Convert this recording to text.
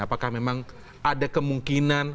apakah memang ada kemungkinan